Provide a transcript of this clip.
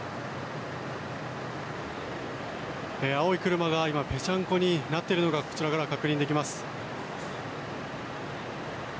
青い車がぺちゃんこになっているのがこちらから確認できます。